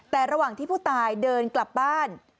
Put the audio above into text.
แต่ระหว่างที่ผู้ตายเดินกลับบ้าน